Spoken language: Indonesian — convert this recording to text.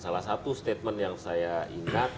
salah satu statement yang saya ingat